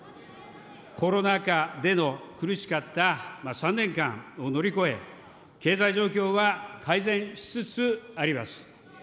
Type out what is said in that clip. コロナ禍での苦しかった３年間を乗り越え、経済状況は改善しつつあります。